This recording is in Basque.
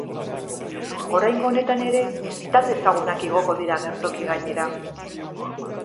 Oraingo honetan ere talde ezagunak igoko dira agertoki gainera.